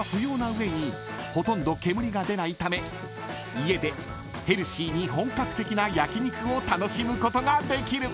［家でヘルシーに本格的な焼き肉を楽しむことができる］